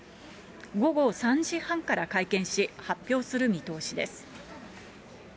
午後３時半から会見し、発表する見通しです。